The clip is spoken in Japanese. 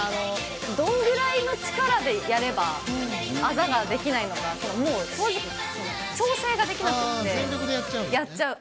どのくらいの力でやればあざができないのかもう正直、調整ができなくて全力でやっちゃう。